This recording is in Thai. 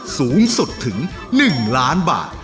สูงสุดถึง๑ล้านบาท